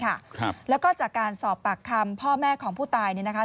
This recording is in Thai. ครับแล้วก็จากการสอบปากคำพ่อแม่ของผู้ตายเนี่ยนะคะ